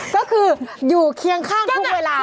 ก็คืออยู่เคียงข้างทุกเวลา